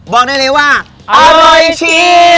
บอกได้เลยว่าอร่อยเชีย